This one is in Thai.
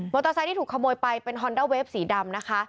เตอร์ไซค์ที่ถูกขโมยไปเป็นฮอนด้าเวฟสีดำนะคะ